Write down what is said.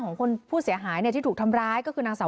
ของผู้เสียหายที่ถูกทำร้าย